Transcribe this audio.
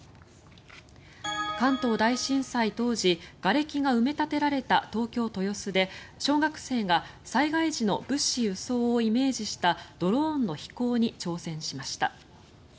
関東大震災当時がれきが埋め立てられた東京・豊洲で小学生が災害時の物資輸送をイメージしたドローンの飛行に挑戦しました。